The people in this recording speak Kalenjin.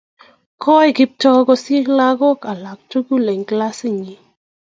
kooi Kiptoo kosiir lakoik alak tugul eng kilasitnyin